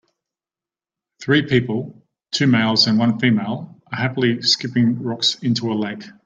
Three people, two males and one female are happily skipping rocks into a lake.